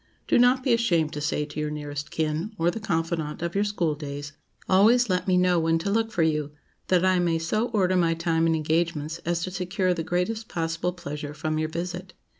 Do not be ashamed to say to your nearest kin, or the confidante of your school days—"Always let me know when to look for you, that I may so order my time and engagements as to secure the greatest possible pleasure from your visit."